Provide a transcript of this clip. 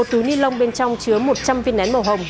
một túi ni lông bên trong chứa một trăm linh viên nén màu hồng